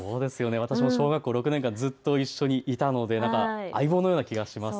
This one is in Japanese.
私も小学校６年からずっと一緒にいたので、相棒のような気がします。